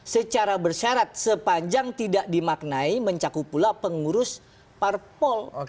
secara bersyarat sepanjang tidak dimaknai mencakup pula pengurus parpol